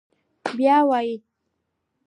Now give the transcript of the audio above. بيا وايي: